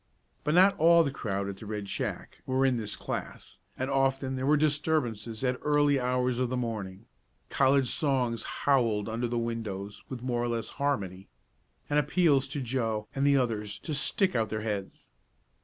But not all the crowd at the Red Shack were in this class, and often there were disturbances at early hours of the morning college songs howled under the windows with more or less "harmony," and appeals to Joe and the others to "stick out their heads."